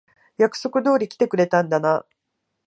約束通り来てくれたんだな。